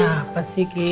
gapas sih ki